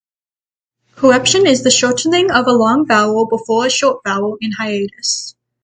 Correption is the shortening of a long vowel before a short vowel in hiatus.